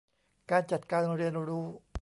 การจัดการเรียนรู้